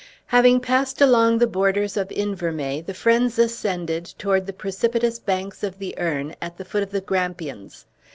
Having passed along the borders of Invermay, the friends descended toward the precipitous banks of the Earn, at the foot of the Grampians.